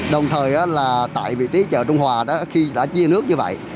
đồng thời tại vị trí chợ trung hòa khi đã chia nước như vậy